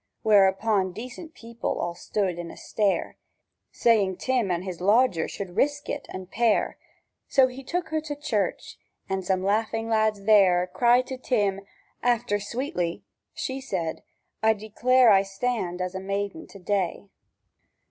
Whereupon decent people all stood in a stare, Saying Tim and his lodger should risk it, and pair: So he took her to church. An' some laughing lads there Cried to Tim, "After Sweatley!" She said, "I declare I stand as a maiden to day!"